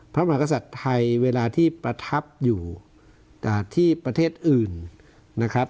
พระมหากษัตริย์ไทยเวลาที่ประทับอยู่ที่ประเทศอื่นนะครับ